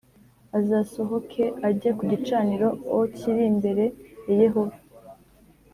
Azasohoke ajye ku gicaniro o kiri imbere ya Yehova